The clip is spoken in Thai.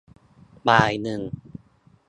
บ่ายหนึ่ง